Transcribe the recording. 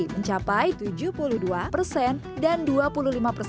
mencapai tujuh puluh dua dan lebih tinggi dari keping kerupuk udang